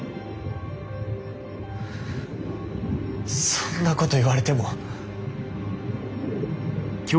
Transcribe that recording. そんなこと言われても。